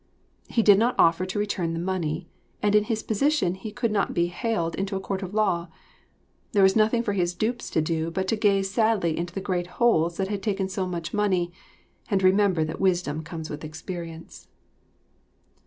He did not offer to return the money, and in his position he could not be haled into a court of law; there was nothing for his dupes to do but to gaze sadly into the great holes that had taken so much money, and remember that wisdom comes with experience.